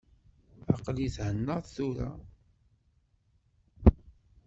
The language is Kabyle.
Aql-i thennaɣ tura.